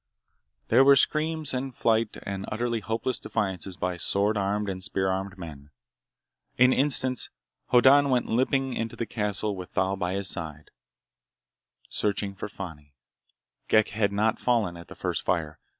There were screams and flight and utterly hopeless defiances by sword armed and spear armed men. In instants Hoddan went limping into the castle with Thal by his side, searching for Fani. Ghek had not fallen at the first fire.